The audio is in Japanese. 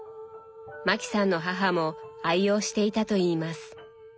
マキさんの母も愛用していたといいます。